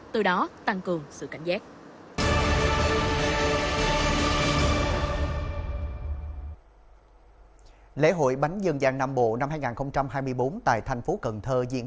từ đó tăng cường sự cảnh giác lễ hội bánh dân giang nam bộ năm hai nghìn hai mươi bốn tại thành phố cần thơ diễn